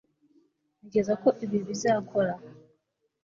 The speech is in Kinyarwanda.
ntekereza ko ibi bizakora